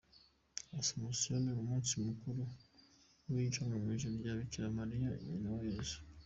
Asomusiyo ni umunsi mukuru w’ijyanwa mu ijuru rya Bikira Mariya nyina wa Yezu.